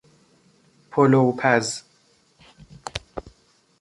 پلوپز